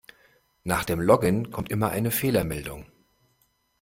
Nach dem Login kommt immer eine Fehlermeldung.